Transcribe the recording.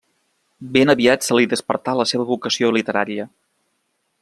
Ben aviat se li despertà la seva vocació literària.